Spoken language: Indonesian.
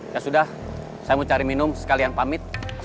ya sudah saya mau cari minum sekalian pamit